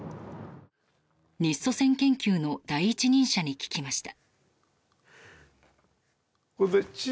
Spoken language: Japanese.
日ソ戦研究の第一人者に聞きました。